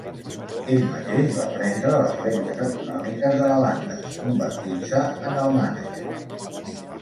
Ell mateix va prendre les regnes econòmiques de la banda, convertint-se en el mànager.